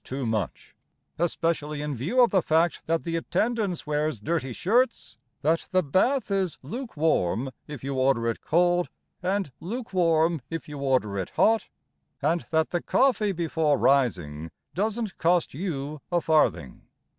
too much, Especially in view of the fact That the attendance wears dirty shirts, That the bath Is lukewarm if you order it cold And lukewarm if you order it hot; And that the coffee before rising Doesn't cost you a farthing.